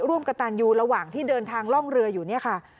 ร่วมกับตันยูระหว่างที่เดินทางล่องเรืออยู่เนี่ยค่ะ